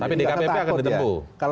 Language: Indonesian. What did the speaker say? tapi di kpp akan ditempu